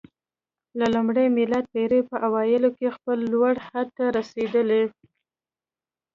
د لومړۍ میلادي پېړۍ په اوایلو کې خپل لوړ حد ته رسېدلی